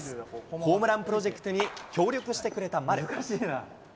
ホームランプロジェクトに協力してくれた丸。